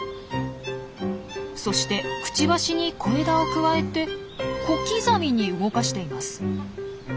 そしてくちばしに小枝をくわえて小刻みに動かしています。